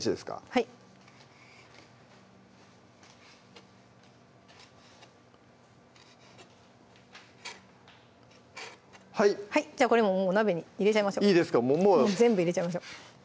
はいはいじゃあこれもお鍋に入れちゃいましょういいですか全部入れちゃいましょう